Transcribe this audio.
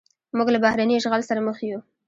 موږ له بهرني اشغال سره مخ یو.